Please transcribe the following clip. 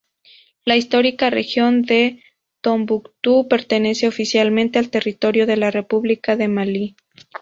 La histórica región de Tombuctú pertenece oficialmente al territorio de la República de Malí.